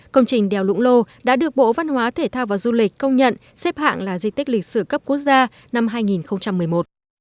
công trình đèo lũng lô đã được bộ văn hóa thể thao và du lịch công nhận xếp hạng là di tích lịch sử cấp quốc gia năm hai nghìn một mươi một